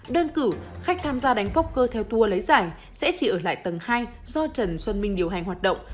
đơn cử khách tham gia đánh voker theo tour lấy giải sẽ chỉ ở lại tầng hai do trần xuân minh điều hành hoạt động